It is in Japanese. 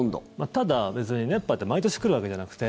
ただ、別に熱波って毎年、来るわけじゃなくて。